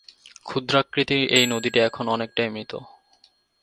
ক্ষুদ্রাকৃতির এই নদীটি এখন অনেকটাই মৃত।